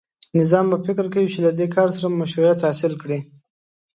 نظام به فکر کوي چې له دې کار سره مشروعیت حاصل کړي.